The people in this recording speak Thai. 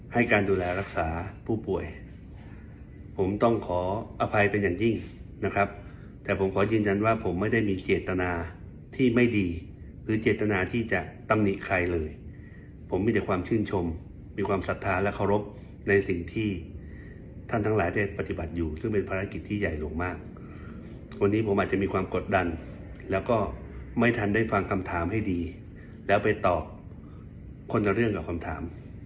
ให้การดูแลรักษาผู้ป่วยผมต้องขออภัยเป็นอย่างยิ่งนะครับแต่ผมขอยืนยันว่าผมไม่ได้มีเจตนาที่ไม่ดีหรือเจตนาที่จะตำหนิใครเลยผมมีแต่ความชื่นชมมีความศรัทธาและเคารพในสิ่งที่ท่านทั้งหลายได้ปฏิบัติอยู่ซึ่งเป็นภารกิจที่ใหญ่ลงมากวันนี้ผมอาจจะมีความกดดันแล้วก็ไม่ทันได้ฟังคำถามให้ดีแล้วไปตอบคนละเรื่องกับคำถาม